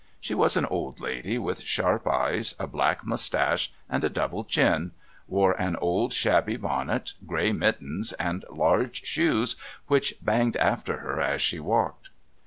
She was an old lady with sharp eyes, a black moustache and a double chin, wore an old shabby bonnet, grey mittens and large shoes which banged after her as she walked.